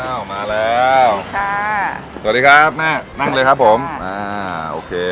มาแล้วค่ะสวัสดีครับแม่นั่งเลยครับผมอ่าโอเค